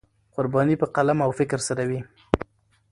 قرباني په قلم او فکر سره وي.